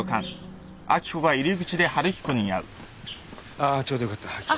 ああちょうどよかった明子。